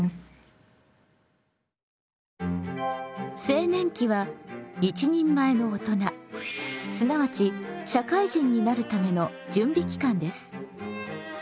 青年期は一人前の大人すなわち社会人になるための準備期間です。